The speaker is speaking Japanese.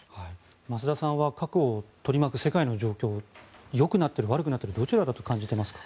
増田さんは核を取り巻く世界の状況よくなっている、悪くなっているどちらだと感じていますか？